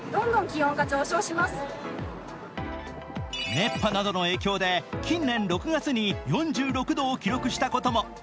熱波などの影響で近年６月に４６度を記録したことも。